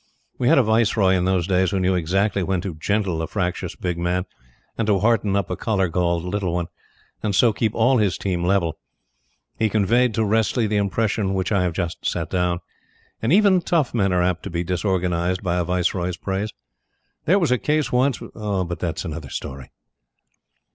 We had a Viceroy in those days who knew exactly when to "gentle" a fractious big man and to hearten up a collar galled little one, and so keep all his team level. He conveyed to Wressley the impression which I have just set down; and even tough men are apt to be disorganized by a Viceroy's praise. There was a case once but that is another story.